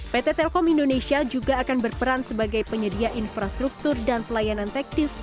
pt telkom indonesia juga akan berperan sebagai penyedia infrastruktur dan pelayanan teknis